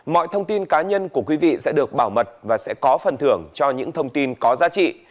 mọi thông tin cá nhân của quý vị sẽ được bảo mật và sẽ có phần thưởng cho những thông tin có giá trị